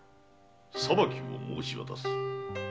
裁きを申し渡す。